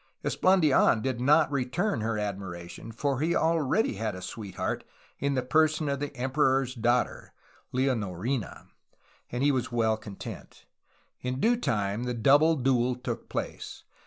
Esplandidn did not return her admir ation, for he already had a sweetheart in the person of the emperor's daughter (Leonorina), and was well content. In due time the double duel took place.